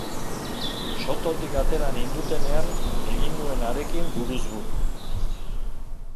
Sototik atera nindutenean egin nuen harekin buruz buru.